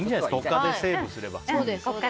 他でセーブすれば。